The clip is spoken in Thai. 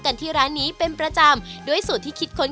ที่ร้านนี้เป็นประจำด้วยสูตรที่คิดค้น